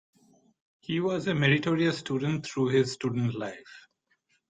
He was a meritorious student through his student life.